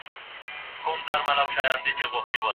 تخنیکي پرمختګ د صنعت د پراختیا لامل کېږي.